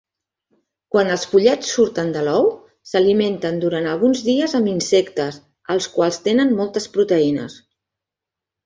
Quan els pollets surten de l'ou, s'alimenten durant alguns dies amb insectes, els quals tenen moltes proteïnes.